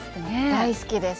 大好きです。